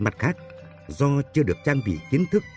mặt khác do chưa được trang bị kiến thức